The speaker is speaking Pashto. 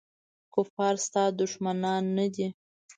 کفار ستا دښمنان نه دي.